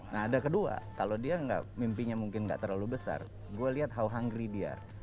nah ada kedua kalau dia mimpinya mungkin nggak terlalu besar gue lihat how hungry dia